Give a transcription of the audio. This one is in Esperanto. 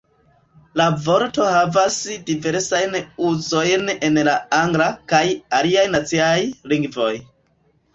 La vorto havas diversajn uzojn en la angla kaj aliaj naciaj lingvoj.